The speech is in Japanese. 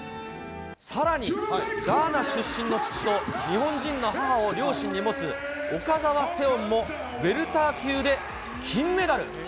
さらに、ガーナ出身の父と日本人の母を両親に持つ岡澤セオンも、ウェルター級で金メダル。